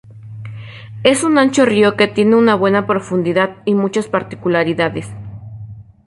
Es un ancho río que tiene una buena profundidad y muchas particularidades.